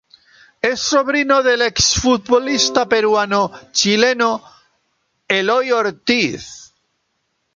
Es sobrino del ex-futbolista peruano-chileno Eloy Ortiz.